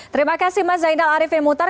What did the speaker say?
terima kasih mas zainal arifin mutar